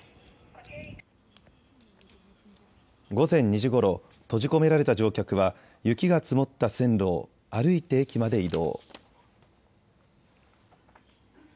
午前２時ごろ、閉じ込められた乗客は雪が積もった線路を歩いて駅まで移動。